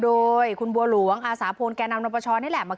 คุณสุลินบอกว่ามีความผูกพันกับคุณนักศิลป์ทำให้ดีใจมาก